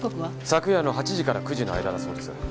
昨夜の８時から９時の間だそうです。